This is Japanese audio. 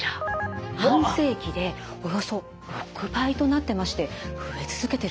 半世紀でおよそ６倍となってまして増え続けてるんですよ。